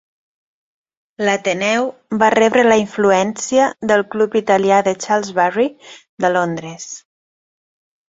L'Ateneu va rebre la influència del club italià de Charles Barry de Londres.